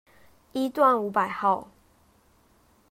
一段五百號